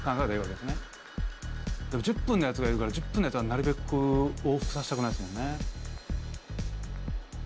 でも１０分のやつがいるから１０分のやつはなるべく往復させたくないっすもんね。